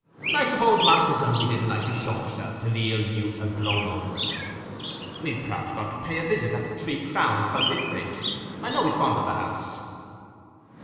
I suppose Master Dunsey didn't like to show himself till the ill news had blown over a bit. He's perhaps gone to pay a visit at the Three Crowns, by Whitbridge—I know he's fond of the house."